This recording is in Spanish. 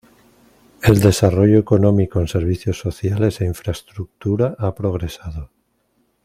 El desarrollo económico en servicios sociales e infraestructura ha progresado.